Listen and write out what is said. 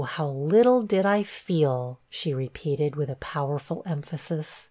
how little did I feel,' she repeated, with a powerful emphasis.